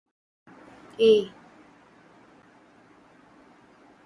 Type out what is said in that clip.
These invaders may gain an advantage in areas where native ants disperse invasive seeds.